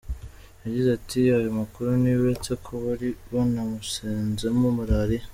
Yagize ati “Ayo makuru niyo, uretse ko bari banamusanzemo malariya.